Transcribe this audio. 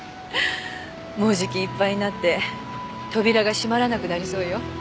もうじきいっぱいになって扉が閉まらなくなりそうよ。